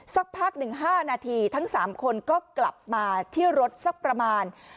สักพักหนึ่ง๕นาทีทั้ง๓คนก็กลับมาที่รถสักประมาณ